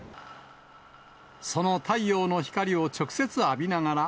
その太陽の光を直接浴びながら。